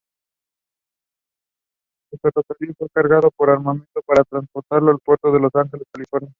El ferrocarril fue cargado con armamento para transportarlo al puerto de Los Ángeles, California.